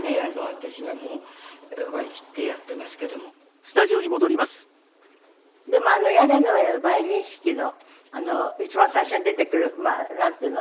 「私はもう割り切ってやっていますけども」でも『屋根の上のバイオリン弾き』の一番最初に出てくるなんていうの？